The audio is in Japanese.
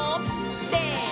せの！